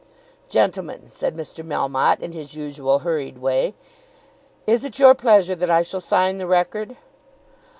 "Gentlemen," said Mr. Melmotte, in his usual hurried way, "is it your pleasure that I shall sign the record?"